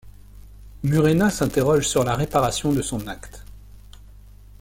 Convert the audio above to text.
Murena s'interroge sur la réparation de son acte.